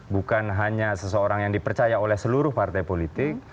bukan hanya seseorang yang dipercaya oleh seluruh partai politik